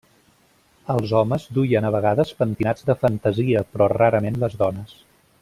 Els homes duien a vegades pentinats de fantasia però rarament les dones.